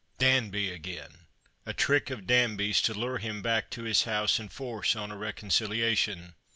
Danby again ! A trick of Dauby 's to lure liim back to liis house and force on a reconciliation.